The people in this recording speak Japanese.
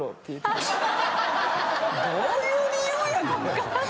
どういう理由やねん。